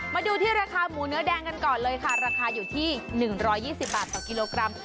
มาดูที่ราคาหมูเนื้อแดงกันก่อนเลยค่ะราคาอยู่ที่๑๒๐บาทต่อกิโลกรัม